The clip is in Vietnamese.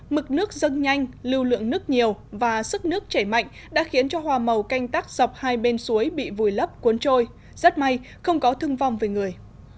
mực nước dâng nhanh lưu lượng nước nhiều và sức nước chảy mạnh đã khiến cho hòa màu canh tắc dọc hai bên suối bị vùi lấp cuốn trôi rất may không có thương vong về người